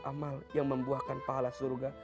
amal yang membuahkan pahala surga